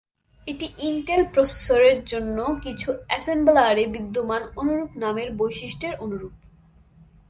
এটি ইন্টেল প্রসেসরের জন্য কিছু অ্যাসেম্বলারে বিদ্যমান অনুরূপ নামের বৈশিষ্ট্যের অনুরূপ।